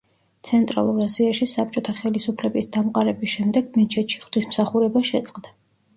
ცენტრალურ აზიაში საბჭოთა ხელისუფლების დამყარების შემდეგ მეჩეთში ღვთისმსახურება შეწყდა.